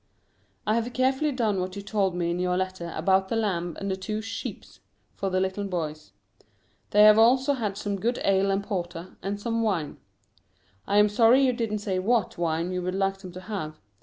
I have carefully done what you told me in your letter about the lamb and the two "sheeps" for the little boys. They have also had some good ale and porter, and some wine. I am sorry you didn't say what wine you would like them to have.